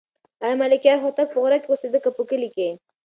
آیا ملکیار هوتک په غره کې اوسېده که په کلي کې؟